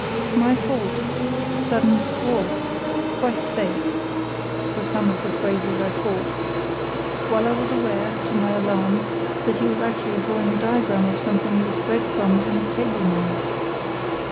"My fault"—"sudden squall"—"quite safe", were some of the phrases I caught; while I was aware, to my alarm, that he was actually drawing a diagram of something with bread crumbs and table knives.